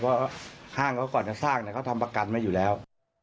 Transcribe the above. เพราะห้างเขาก่อนจะสร้างเขาทำประกันไว้อยู่แล้ว